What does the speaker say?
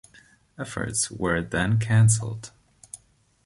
Efforts were then cancelled.